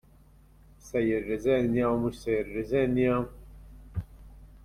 Se jirriżenja u mhux se jirriżenja!